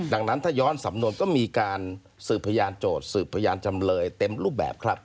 ดังนั้นถ้าย้อนสำนวนก็มีการสืบพยานโจทย์สืบพยานจำเลยเต็มรูปแบบครับ